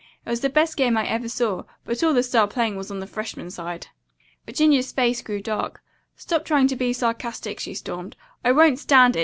It was the best game I ever saw, but all the star playing was on the freshman side." Virginia's face grew dark. "Stop trying to be sarcastic," she stormed. "I won't stand it.